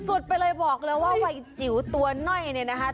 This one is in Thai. สุดไปเลยบอกแล้วว่าไหว่จิ๋วตัวหน่อยนะคะ